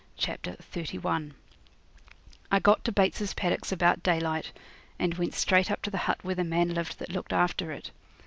Chapter 31 I got to Bates's paddocks about daylight, and went straight up to the hut where the man lived that looked after it.